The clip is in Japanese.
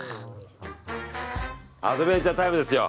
アドベンチャータイムですよ。